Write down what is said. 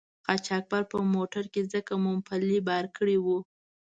قاچاقبر په موټر کې ځکه مومپلي بار کړي وو.